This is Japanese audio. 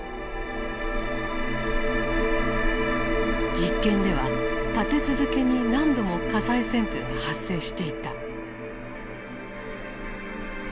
実験では立て続けに何度も火災旋風が発生していた。